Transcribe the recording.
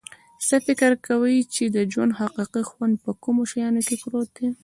څه فکر کویچې د ژوند حقیقي خوند په کومو شیانو کې پروت ده